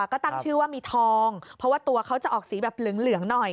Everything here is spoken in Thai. ก็ตั้งชื่อว่ามีทองเพราะว่าตัวเขาจะออกสีแบบเหลืองหน่อย